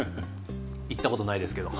行ったことないですけど。